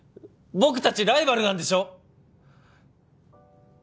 僕たちライバルなんでしょ？